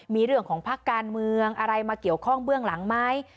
มีเรื่องของพักการเมืองอะไรมาเกี่ยวข้องเบื้องหลังไหม